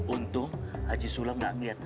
untung haji sulam gak lihat